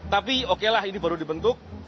tapi okelah ini baru dibentuk